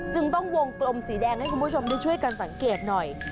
จึงต้องวงกลมสีแดงให้คุณผู้ชมได้ช่วยกันสังเกตหน่อย